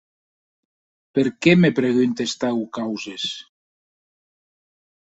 Per qué me preguntes taus causes?